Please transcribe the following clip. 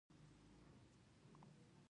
هېواد د ابادۍ انتظار دی.